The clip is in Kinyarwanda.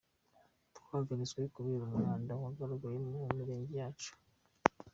Twahagaritswe kubera umwanda wagaragaye mu mirenge yacu.